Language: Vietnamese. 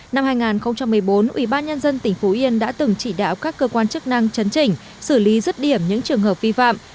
năm hai nghìn một mươi bốn ủy ban nhân dân tỉnh phú yên đã từng chỉ đạo các cơ quan chức năng chấn chỉnh xử lý rứt điểm những trường hợp vi phạm